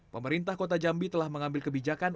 pemerintah kota jambi telah mengambil kebijakan